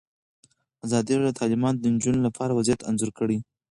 ازادي راډیو د تعلیمات د نجونو لپاره وضعیت انځور کړی.